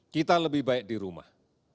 kita lebih baik di rumah